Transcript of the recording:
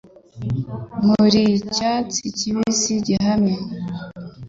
Muri icyatsi kibisi gihamye